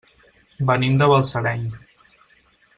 Venim de Balsareny.